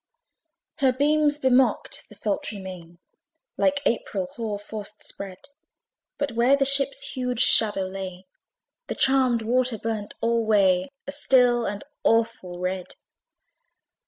Her beams bemocked the sultry main, Like April hoar frost spread; But where the ship's huge shadow lay, The charmed water burnt alway A still and awful red.